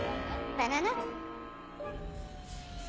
バナナ？